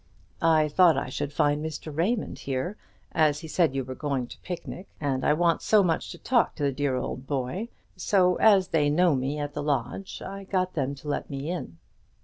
"I thought I should find Mr. Raymond here, as he said you were going to picnic, and I want so much to talk to the dear old boy. So, as they know me at the lodge, I got them to let me in."